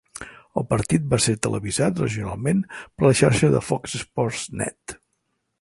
El partit va ser televisat regionalment per la xarxa de Fox Sports Net.